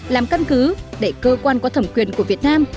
làm căn cứ để cơ quan có thẩm quyền của việt nam